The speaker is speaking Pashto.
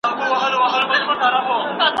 د مقالي سمول د استاد یوه له اساسي دندو ده.